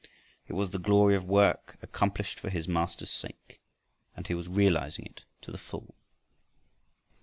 It was the glory of work accomplished for his Master's sake, and he was realizing it to the full.